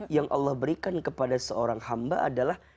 yang allah berikan kepada seorang hamba adalah